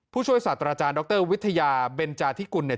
ผู้ช่วยศาสตราจารย์ดรวิทยาเบนจาธิกุลเนี่ย